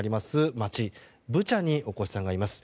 町ブチャに大越さんがいます。